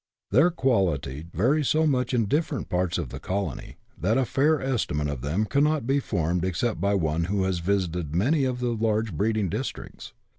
Their quality varies so much in different parts of the colony, that a fair estimate of them cannot be formed except by one who has visited many of the large breeding districts.